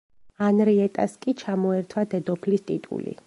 ანრიეტას კი ჩამოერთვა დედოფლის ტიტული.